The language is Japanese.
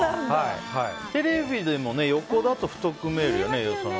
テレビでも横だと太く見えるよね。